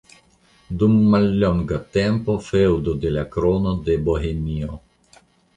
Dum mallonga tempo feŭdo de la Krono de Bohemio.